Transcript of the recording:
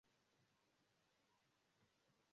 La lecionoj estas videblaj en la interreto.